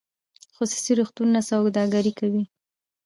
خصوصي روغتونونه سوداګري کوي